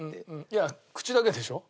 いや口だけでしょ。